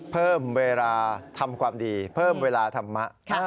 เพิ่มเวลาทำความดีเพิ่มเวลาธรรมะ